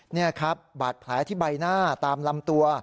นี่ครับบาดแผลที่ใบหน้าตามลำตัว